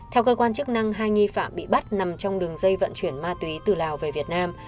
theo cơ quan chức năng hai nghi phạm bị bắt nằm trong đường dây vận chuyển ma túy từ lào về việt nam